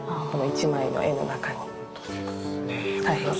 この１枚の絵の中にはい。